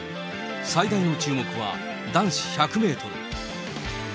最大の注目は、男子１００メートル。